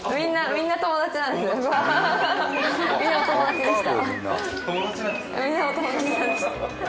みんなお友達でした。